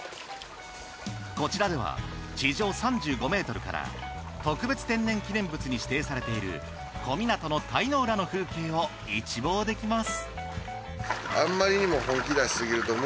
こちらでは地上３５ｍから特別天然記念物に指定されている小湊の鯛の浦の風景を一望できます。